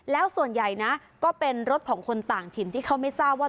แล้วส่วนใหญ่นะก็เป็นรถของคนต่างถิ่นที่เขาไม่ทราบว่า